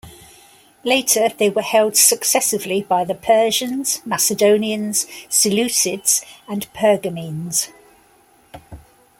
Later they were held successively by the Persians, Macedonians, Seleucids, and Pergamenes.